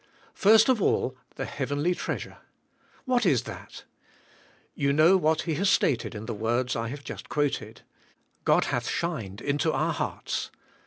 First of all, the heavenly treasure. What is that? You know what he has stated in the words I have just quoted. God hath shined into our hearts.